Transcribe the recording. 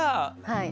はい。